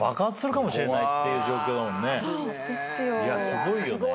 すごいよね。